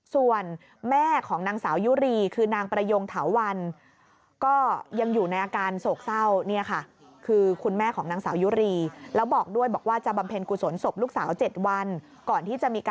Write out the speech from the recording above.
ส่วนแม่ของนางสาวยุรีย์คือนางประโยงเถาวัน